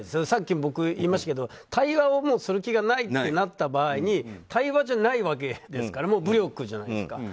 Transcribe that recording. さっき、僕言いましたけど対話をする気がないとなった場合対話じゃないわけですから武力じゃないですか。